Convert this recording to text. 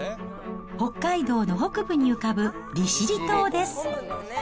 北海道の北部に浮かぶ利尻島です。